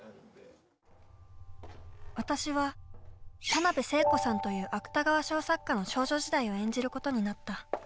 私は田辺聖子さんという芥川賞作家の少女時代を演じることになった。